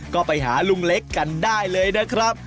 ก็ไปหาลุงเล็กกันได้เลยนะครับ